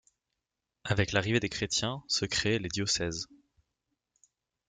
Avec l'arrivée des chrétiens, se créent les diocèses.